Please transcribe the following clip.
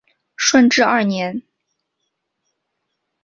顺治二年。